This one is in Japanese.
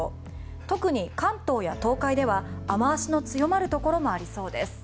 特に関東や東海では雨脚の強まるところもありそうです。